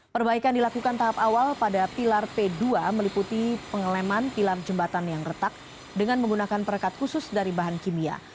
perbaikan dilakukan tahap awal pada pilar p dua meliputi pengeleman pilar jembatan yang retak dengan menggunakan perekat khusus dari bahan kimia